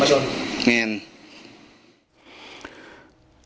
ไม่ใช่มีคนมาชนนั่น